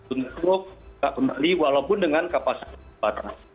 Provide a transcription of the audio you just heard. untuk kembali walaupun dengan kapasitas batas